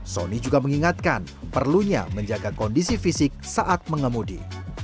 sony juga mengingatkan perlunya menjaga kondisi fisik saat mengemudi